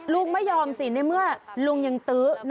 ลุงไม่ยอมสิในเมื่อลุงยังตื้อ